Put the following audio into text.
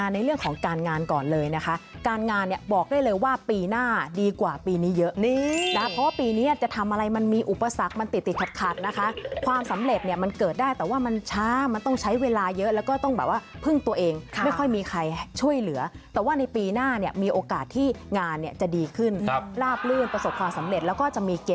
ในเรื่องของการงานก่อนเลยนะคะการงานเนี่ยบอกได้เลยว่าปีหน้าดีกว่าปีนี้เยอะนะเพราะว่าปีนี้จะทำอะไรมันมีอุปสรรคมันติดติดขัดนะคะความสำเร็จเนี่ยมันเกิดได้แต่ว่ามันช้ามันต้องใช้เวลาเยอะแล้วก็ต้องแบบว่าพึ่งตัวเองไม่ค่อยมีใครช่วยเหลือแต่ว่าในปีหน้าเนี่ยมีโอกาสที่งานเนี่ยจะดีขึ้นลาบลื่นประสบความสำเร็จแล้วก็จะมีเก